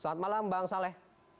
selamat malam bang saleh